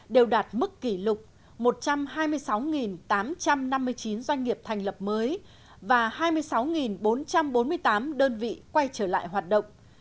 đều đạt mức kỷ lục một trăm hai mươi sáu tám trăm năm mươi chín doanh nghiệp thành lập mới và hai mươi sáu bốn trăm bốn mươi tám đơn vị quay trở lại hoạt động